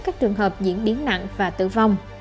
các trường hợp diễn biến nặng và tử vong